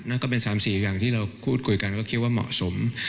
นั่นก็เป็น๓๔อย่างที่เราพูดคุยกันก็คิดว่าเหมาะสม